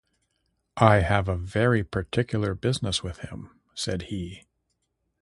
‘I have very particular business with him,’ said he.